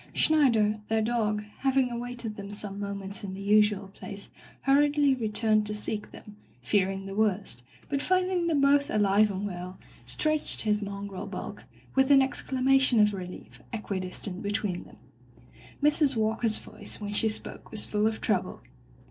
Schneider, their dog, having awaited them some moments in the usual place hurriedly returned to seek them, fear ing the worst, but finding them both alive and well, stretched his mongrel bulk, with an exclamation of relief, equidistant between them. Mrs. Walker's voice when she spoke was full of trouble.